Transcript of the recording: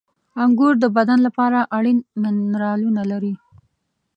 • انګور د بدن لپاره اړین منرالونه لري.